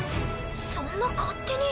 そんな勝手に。